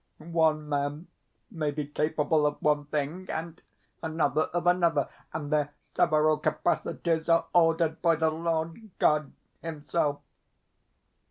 One man may be capable of one thing, and another of another, and their several capacities are ordered by the Lord God himself.